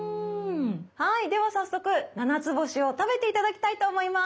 はいでは早速ななつぼしを食べて頂きたいと思います。